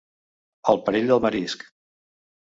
El perill del marisc.